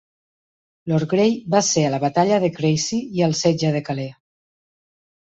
Lord Grey va ser a la Batalla de Crécy i el Setge de Calais.